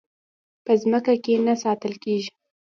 په ځمکه کې نه ساتل کېږي.